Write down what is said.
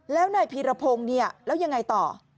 แล้วนายพีรพงศ์เนี่ยแล้วยังไงต่อ